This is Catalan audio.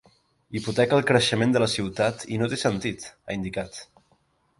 “Hipoteca el creixement de la ciutat i no té sentit”, ha indicat.